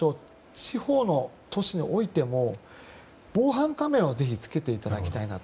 地方の都市においても防犯カメラをぜひ、つけていただきたいなと。